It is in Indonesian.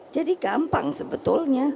jadi gampang sebetulnya